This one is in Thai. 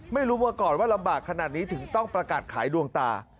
ไม่รู้มาก่อนว่าลำบากขนาดนี้ถึงต้องประกาศขายดวงตา